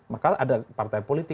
maka ada partai politik